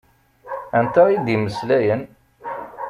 Anta i d-imeslayen?